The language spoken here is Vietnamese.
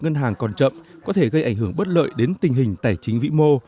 ngân hàng còn chậm có thể gây ảnh hưởng bất lợi đến tình hình tài chính vĩ mô